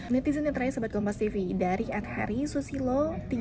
netizen yang terakhir sobatkompastv dari ed harry susilo tiga ribu tiga puluh sembilan